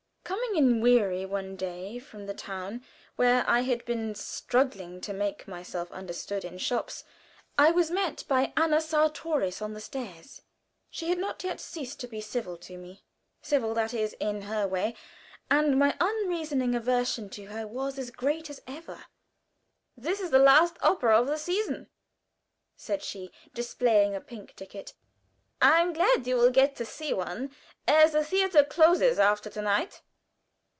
Coming in weary one day from the town, where I had been striving to make myself understood in shops, I was met by Anna Sartorius on the stairs. She had not yet ceased to be civil to me civil, that is, in her way and my unreasoning aversion to her was as great as ever. "This is the last opera of the season," said she, displaying a pink ticket. "I am glad you will get to see one, as the theater closes after to night."